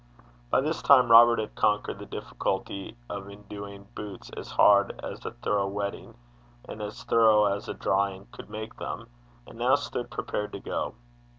By this time Robert had conquered the difficulty of induing boots as hard as a thorough wetting and as thorough a drying could make them, and now stood prepared to go.